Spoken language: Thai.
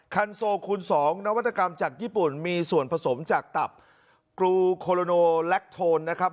คันโซคูณ๒นวัตกรรมจากญี่ปุ่นมีส่วนผสมจากตับกรูโคโลโนแลคโทนนะครับ